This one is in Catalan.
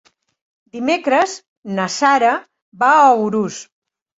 Dimecres na Sara va a Urús.